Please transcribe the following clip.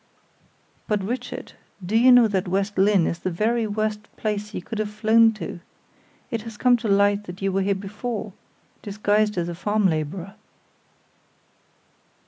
"But, Richard, do you know that West Lynne is the very worst place you could have flown to? It has come to light that you were here before, disguised as a farm laborer."